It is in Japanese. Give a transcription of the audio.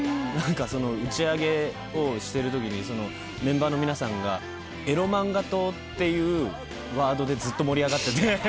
打ち上げをしてるときにメンバーの皆さんがエロマンガ島というワードでずっと盛り上がってて。